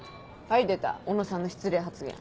はい出た小野さんの失礼発言。